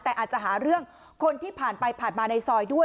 แต่อาจจะหาเรื่องคนที่ผ่านไปผ่านมาในซอยด้วย